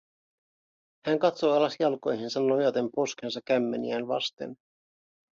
Hän katsoi alas jalkoihinsa nojaten poskensa kämmeniään vasten.